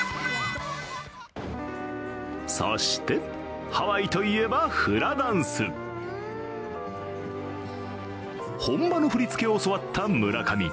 そして、ハワイといえばフラダンス本場の振り付けを教わった村上。